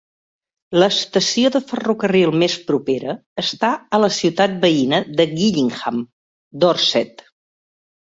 L'estació de ferrocarril més propera està a la ciutat veïna de Gillingham, Dorset.